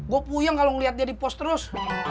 gue puyeng kalau ngeliat dia di pos terus